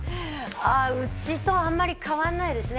うちとあんまり変わらないですね。